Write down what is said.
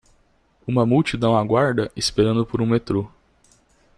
Uma multidão aguarda? esperando por um metrô.